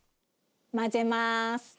混ぜます。